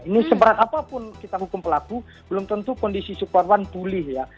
ini seberat apapun kita hukum pelaku belum tentu kondisi si korban pulih ya